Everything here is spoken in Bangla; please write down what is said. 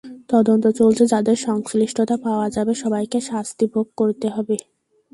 তদন্ত চলছে, যাঁদের সংশ্লিষ্টতা পাওয়া যাবে, সবাইকে শাস্তি ভোগ করতে হবে।